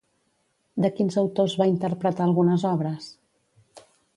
De quins autors va interpretar algunes obres?